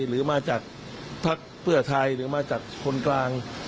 หรือมาจากภักดิ์เพื่อไทยหรือมาจากคนกลาง